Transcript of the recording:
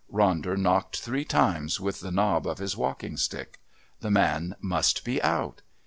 Ronder knocked three times with the knob of his walking stick. The man must be out.